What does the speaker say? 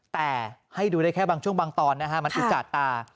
แต่ให้ดูได้แค่บางช่วงบางตอนนะฮะมันอุจจาดตา